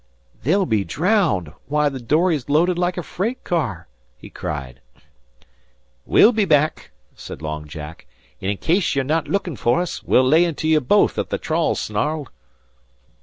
"They'll be drowned. Why, the dory's loaded like a freight car," he cried. "We'll be back," said Long Jack, "an' in case you'll not be lookin' for us, we'll lay into you both if the trawl's snarled."